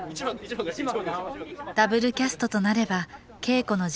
ダブルキャストとなれば稽古の時間も倍。